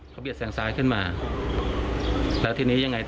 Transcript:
เขาเบียดแซงซ้ายขึ้นมาแล้วทีนี้ยังไงต่อ